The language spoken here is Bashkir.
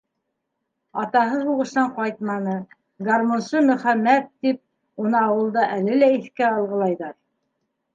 Атаһы һуғыштан ҡайтманы, «гармунсы Мөхәммәт» тип, уны ауылда әле лә иҫкә алғылайҙар.